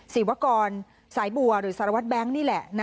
ศีวกรสายบัวหรือสารวัตรแบงค์นี่แหละ